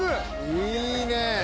「いいね」